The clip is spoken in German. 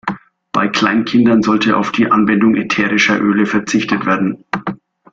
Bei Kleinkindern sollte auf die Anwendung ätherischer Öle verzichtet werden.